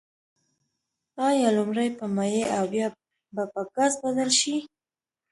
آیا لومړی په مایع او بیا به په ګاز بدل شي؟